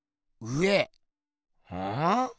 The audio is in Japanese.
うん？